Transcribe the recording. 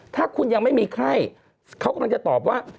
ถ้าคุณยังไม่มีไข้เขากำลังจะตอบว่า